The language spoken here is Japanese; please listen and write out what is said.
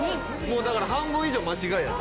もうだから半分以上間違いや。